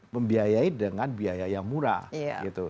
membiayai dengan biaya yang murah gitu